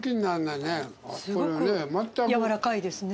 すごくやわらかいですね。